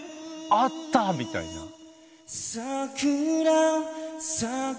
「合った」みたいな。